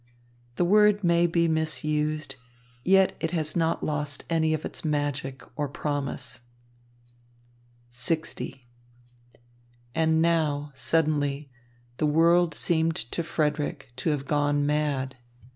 The word may be misused, yet it has not lost any of its magic or promise. LX And now, suddenly, the world seemed to Frederick to have gone mad.